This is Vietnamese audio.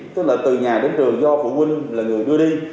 tức là từ nhà đến trường do phụ huynh là người đưa đi